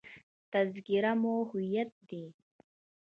تذکره مو هویت دی.